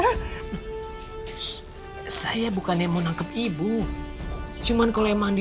keluarga kampung golai kampung orang jahat pasti dukun dia deh yang ngasih lipstick ini